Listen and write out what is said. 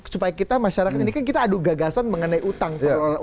supaya kita masyarakat ini kan kita adu gagasan mengenai utang